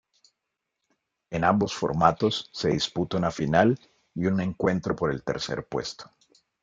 En ambos formatos se disputa una final y un encuentro por el tercer puesto.